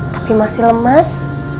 tapi masih lemas